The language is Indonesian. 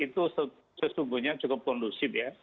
itu sesungguhnya cukup kondusif ya